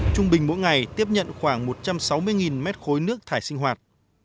trung bình mỗi ngày tiếp nhận khoảng một trăm sáu mươi m ba nước thải sinh hoạt